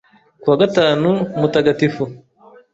Ku wa gatanu mtatagatifu,